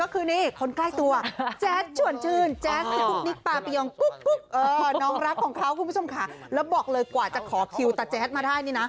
คุณผู้ชมค่ะแล้วบอกเลยกว่าจะขอคิวตะแจ๊ดมาได้นี่นะ